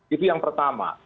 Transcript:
itu yang pertama